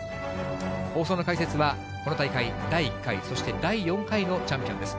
放送の解説は、この大会、第１回、そして第４回のチャンピオンです。